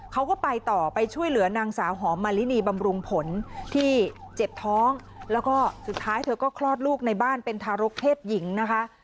เขาก็ไปต่อไปช่วยเหลือนางสาวหอมมาลินีบำรุงผลที่เจ็บท้องแล้วก็สุดท้ายเธอก็คลอดลูกในบ้านเป็นทารกเพศหญิงนะคะ